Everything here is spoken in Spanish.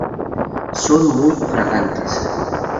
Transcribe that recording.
Son muy fragantes.